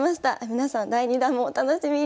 皆さん第２弾もお楽しみに。